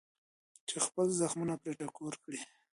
چې خپل زخمونه پرې ټکور کړي.